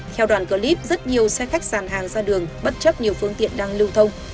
theo đoàn clip rất nhiều xe khách dàn hàng ra đường bất chấp nhiều phương tiện đang lưu thông